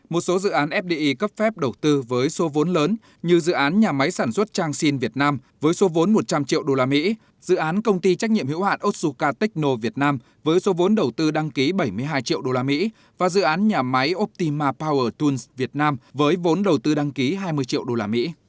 một số dự án fdi cấp phép đầu tư với số vốn lớn như dự án nhà máy sản xuất chang sinh việt nam với số vốn một trăm linh triệu usd dự án công ty trách nhiệm hữu hạn otsuka techno việt nam với số vốn đầu tư đăng ký bảy mươi hai triệu usd và dự án nhà máy optima power tools việt nam với vốn đầu tư đăng ký hai mươi triệu usd